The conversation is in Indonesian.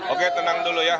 oke tenang dulu ya